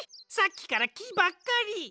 さっきからきばっかり！